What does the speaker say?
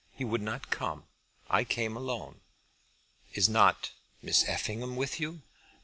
He would not come. I came alone." "Is not Miss Effingham with you?"